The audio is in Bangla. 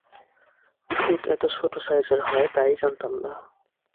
ভূত এত ছোট সাইজের হয়, তা-ই জানতাম না।